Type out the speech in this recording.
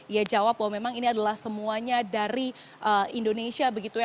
ia jawab bahwa memang ini adalah semuanya dari indonesia begitu ya